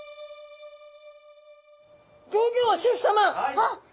あっ！